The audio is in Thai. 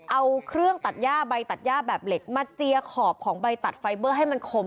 เอาเครื่องตัดย่าใบตัดย่าแบบเหล็กมาเจียขอบของใบตัดไฟเบอร์ให้มันคม